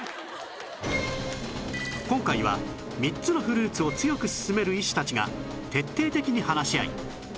今回は３つのフルーツを強く薦める医師たちが徹底的に話し合い